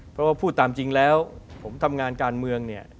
เพราะว่าพูดตามจริงแล้วผมทำงานการเมืองเนี่ย